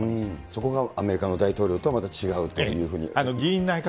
そこがアメリカの大統領とまた違うというふうに。